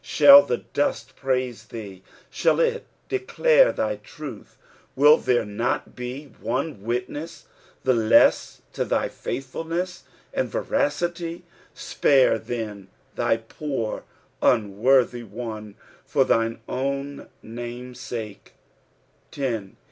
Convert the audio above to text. " Shall th» dvtt praiM theef thaU it dedare thy truthf" "Will there not be one witness the less to thy faithfulness and veracity ) Spare, then, thy pooi unworthy one for thine own nsme sake I 10.